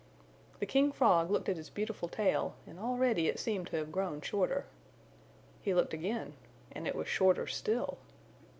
"The King Frog looked at his beautiful tail and already it seemed to have grown shorter. He looked again and it was shorter still.